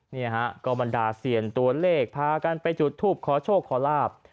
นี่ฮะก็บรรดาเซียนตัวเลขพากันไปจุดทูปขอโชคขอลาบ